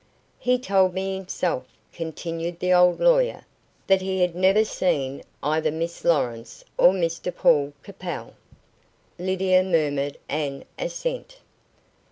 "He told me himself," continued the old lawyer, "that he had never seen either Miss Lawrence or Mr Paul Capel." Lydia murmured an assent.